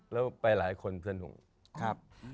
แล้วไปหลายคนนได้ดูโยครับ